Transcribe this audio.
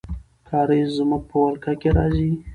کارېز زموږ په ولکه کې راځي.